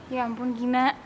ya ampun gina